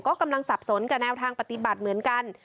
ก็กำลังสับสนกับแนวทางปฏิบัติเหมือนกัน